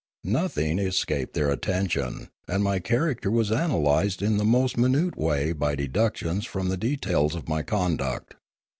Nothing escaped their attention, and my character was analysed in the most minute way by deductions from the details of my conduct.